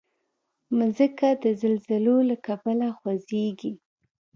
مځکه د زلزلو له کبله خوځېږي.